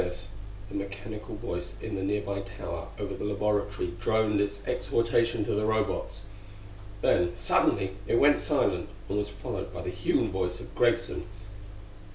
] Over all the chaos, the mechanical voice in the nearby tower over the laboratory droned its exhortation to the Robots. Then, suddenly, it went silent, and was followed by the human voice of Greggson.